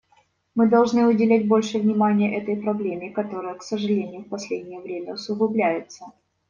Мы должны уделять больше внимания этой проблеме, которая, к сожалению, в последнее время усугубляется.